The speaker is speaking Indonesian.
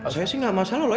saya sih nggak masalah lo